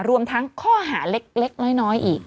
รวมทั้งข้อหาเล็กน้อยอีก